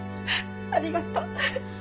ありがとう。